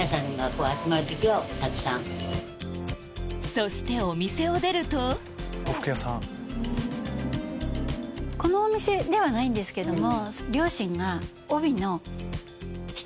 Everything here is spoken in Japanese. そしてお店を出るとこのお店ではないんですけども。